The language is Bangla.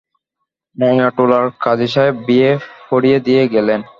নয়াটোলার কাজিসাহেব বিয়ে পড়িয়ে দিয়ে গেলেন।